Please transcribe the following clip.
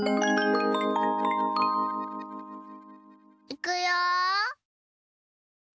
いくよ。